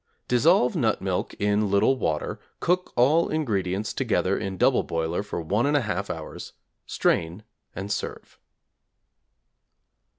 Dissolve nut milk in little water, cook all ingredients together in double boiler for 1 1/2 hours, strain and serve.